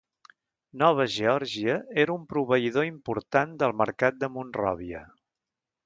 Nova Geòrgia era un proveïdor important del mercat de Monròvia.